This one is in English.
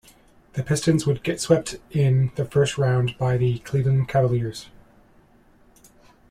The Pistons would get swept in the first round by the Cleveland Cavaliers.